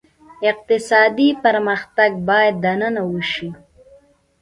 اقتصادي پرمختګ باید دننه وشي.